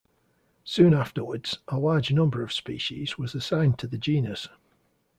Soon afterwards, a large number of species was assigned to the genus.